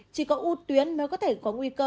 chỉ có u tuyến mới có thể có nguy cơ